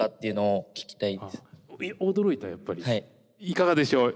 いかがでしょう？